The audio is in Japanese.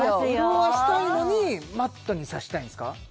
潤したいのにマットにさせたいんですか？